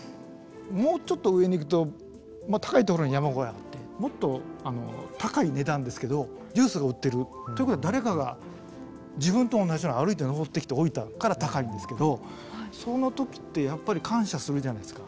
もうちょっと上に行くと高いところに山小屋あってもっと高い値段ですけどジュースが売ってる。ということは誰かが自分と同じように歩いて登ってきて置いたから高いんですけどそのときってやっぱり感謝するじゃないですか。